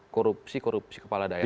korupsi korupsi kepala daerah